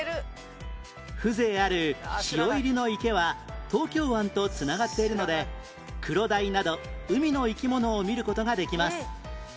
風情ある潮入の池は東京湾と繋がっているのでクロダイなど海の生き物を見る事ができます